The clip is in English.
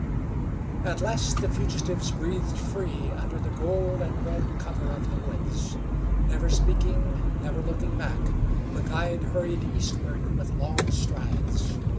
At last the fugitives breathed free under the gold and red cover of the woods. Never speaking, never looking back, the guide hurried eastward with long strides.